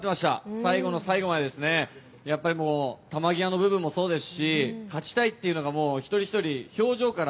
最後の最後まで球際の部分もそうですし勝ちたいというのが一人ひとり表情から。